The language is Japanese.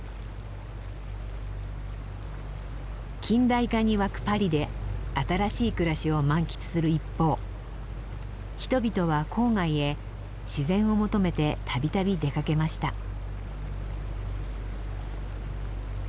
近代化に沸くパリで新しい暮らしを満喫する一方人々は郊外へ自然を求めて度々出かけました。